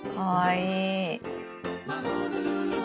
かわいい。